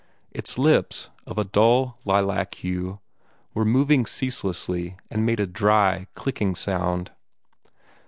Its lips, of a dull lilac hue, were moving ceaselessly, and made a dry, clicking sound.